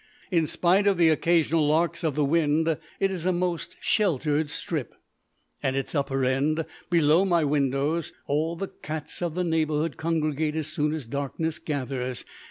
In spite of the occasional larks of the wind, it is a most sheltered strip. At its upper end, below my windows, all the cats of the neighbourhood congregate as soon as darkness gathers.